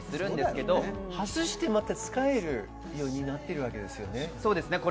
けれ外してまた使えるようになってるんですね。